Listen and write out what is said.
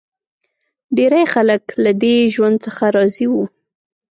ډېری خلک له دې ژوند څخه راضي و.